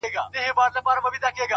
څارونوال ویله پلاره نې کوومه,